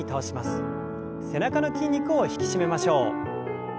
背中の筋肉を引き締めましょう。